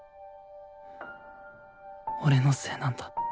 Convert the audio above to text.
俺のせいなんだ。